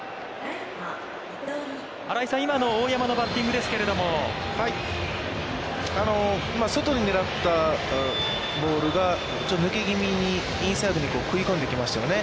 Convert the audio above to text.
新井さん、今の大山のバッティングですけれども、外に狙ったボールがちょっと抜けぎみに、インサイドに食い込んできましたよね。